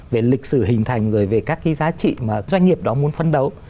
về lịch sử hình thành rồi về các cái giá trị mà doanh nghiệp đó muốn phân đấu